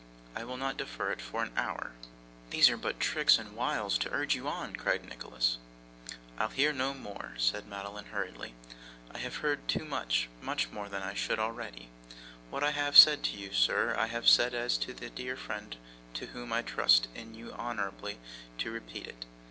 I will not defer it for an hour.' 'These are but tricks and wiles to urge you on,' cried Nicholas. 'I'll hear no more,' said Madeline, hurriedly; 'I have heard too much more than I should already. What I have said to you, sir, I have said as to that dear friend to whom I trust in you honourably to repeat it.